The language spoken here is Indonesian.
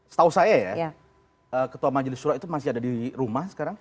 setahu saya ya ketua majelis surah itu masih ada di rumah sekarang